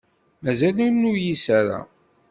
Mazal ur nuyis ara.